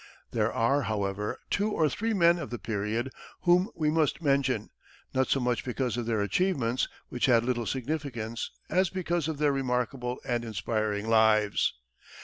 There are, however, two or three men of the period whom we must mention, not so much because of their achievements, which had little significance, as because of their remarkable and inspiring lives.